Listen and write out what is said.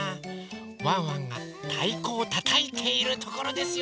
ワンワンがたいこをたたいているところですよ。